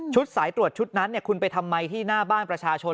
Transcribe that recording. สายตรวจชุดนั้นคุณไปทำไมที่หน้าบ้านประชาชน